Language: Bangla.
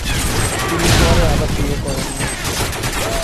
তিনি পরে আর বিয়ে করেন নি।